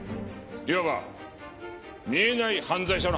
いわば見えない犯罪者の犯行だ。